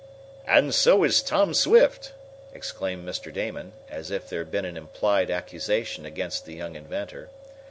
"And so is Tom Swift!" exclaimed Mr. Damon, as if there had been an implied accusation against the young inventor.